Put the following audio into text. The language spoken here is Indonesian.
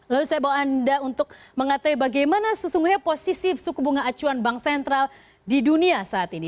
lalu saya bawa anda untuk mengatakan bagaimana sesungguhnya posisi suku bunga acuan bank sentral di dunia saat ini